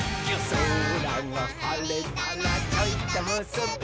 「そらがはれたらちょいとむすび」